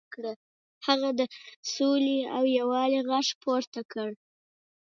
هغه د سولې او یووالي غږ پورته کړ.